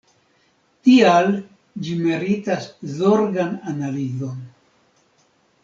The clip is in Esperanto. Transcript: Tial ĝi meritas zorgan analizon.